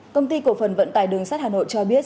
công ty cổ phần vận tài đường sát hà nội cho biết